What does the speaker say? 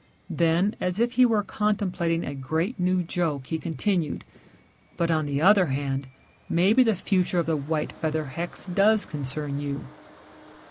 Then as if he were contemplating a great new joke he continued. "But on the other hand, maybe the future of the white feather hex does concern you."